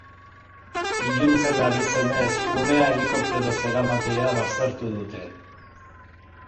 Iluntzen ari zenez umea helikopteroz eramatea baztertu dute.